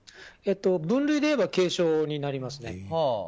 分類でいえば軽症になります。